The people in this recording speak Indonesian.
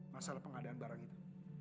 masalah pengadaan barang itu